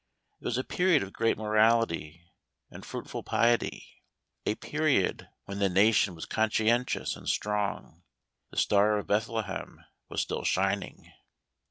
It was a period of great morality and fruitful piet}^ A period when the nation was conscientious and strong. The Star of Bethlehem was still shining.